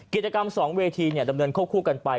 กิจกรรมสองเวทีเนี่ยดำเนินควบคู่กันไป